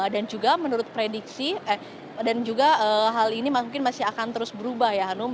dan juga menurut prediksi dan juga hal ini mungkin masih akan terus berubah ya hanum